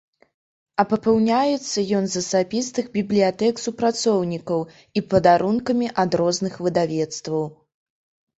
А папаўняецца ён з асабістых бібліятэк супрацоўнікаў і падарункамі ад розных выдавецтваў.